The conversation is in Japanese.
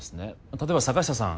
例えば坂下さん。